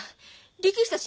力士たち